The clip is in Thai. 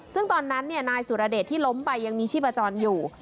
ซึ่งตอนนั้นนายสุรเดชที่ล้มไปยังมีชีพจรอยู่